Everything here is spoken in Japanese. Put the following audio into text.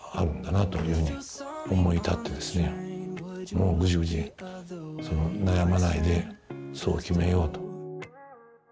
もうグジグジ悩まないでそう決めようと。